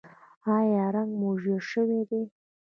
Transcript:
ایا رنګ مو ژیړ شوی دی؟